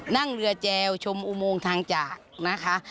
นั่งเรือแจวชมอุโมงทางจากนะคะ